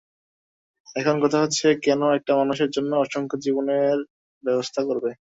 এখন কথা হচ্ছে, কেন একটি মানুষের জন্যে অসংখ্য জীবনের ব্যবস্থা করবে?